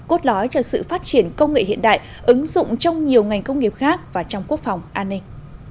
cốt lói cho sự phát triển công nghệ hiện đại ứng dụng trong nhiều ngành công nghiệp khác và trong quốc phòng an ninh